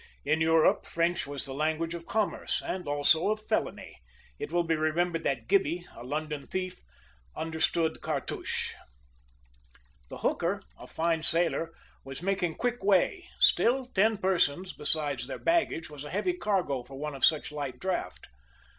In Europe, French was the language of commerce, and also of felony. It will be remembered that Gibby, a London thief, understood Cartouche. The hooker, a fine sailer, was making quick way; still, ten persons, besides their baggage, were a heavy cargo for one of such light draught.